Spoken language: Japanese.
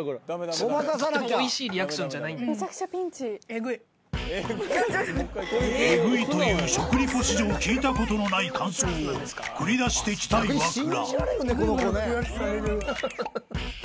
［「エグい」という食リポ史上聞いたことのない感想を繰り出してきたイワクラ］